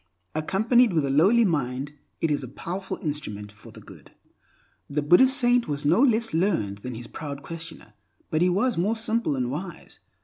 Accompanied with a lowly mind, it is a powerful instrument for good. The Buddhist saint was no less learned than his proud questioner, but he was more simple and wise.